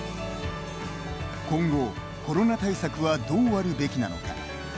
今後、コロナ対策はどうあるべきなのか。